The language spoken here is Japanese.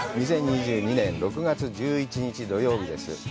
２０２２年６月１１日土曜日です。